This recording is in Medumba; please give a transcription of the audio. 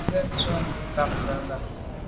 Nze ntshwèt ghù bag nda’ mbà.